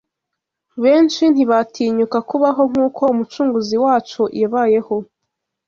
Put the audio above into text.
Benshi ntibatinyuka kubaho nk’uko Umucunguzi wacu yabayeho